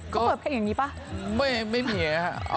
เขาเปิดเพลงอย่างนี้ป่ะ